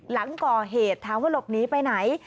หลังก่อเหตุถามว่าหลบหนีไปไหน